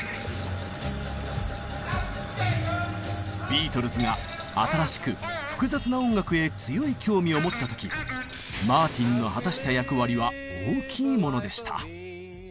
ビートルズが新しく複雑な音楽へ強い興味を持った時マーティンの果たした役割は大きいものでした。